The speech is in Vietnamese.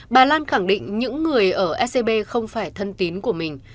bà lan khẳng định những người ở ecb không phải thân tín của mình